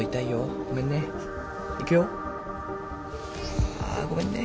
あごめんね。